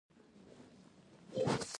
روښانه سباوون